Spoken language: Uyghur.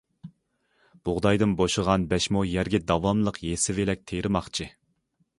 بۇغدايدىن بوشىغان بەش مو يەرگە داۋاملىق يېسسىۋېلەك تېرىماقچى.